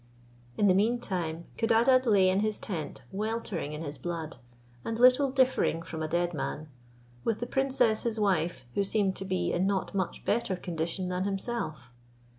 In the mean time Codadad lay in his tent weltering in his blood, and little differing from a dead man, with the princess his wife, who seemed to be in not much better condition than himself.